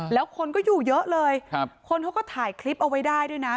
แล้วคนก็อยู่เยอะเลยคนเขาก็ถ่ายคลิปเอาไว้ได้ด้วยนะ